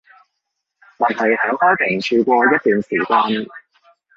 但係響開平住過一段時間